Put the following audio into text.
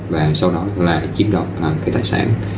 và sau đó là chiếm đọc cái tài sản